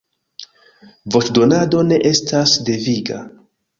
Voĉdonado ne estas deviga.